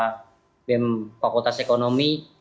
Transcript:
bapak bim fakultas ekonomi